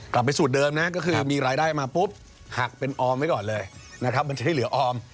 กลับไปสูตรเดิมนะก็คือมีรายได้มาปุ๊บหักเป็นออมไว้ก่อนเลยนะครับมันจะได้เหลือออม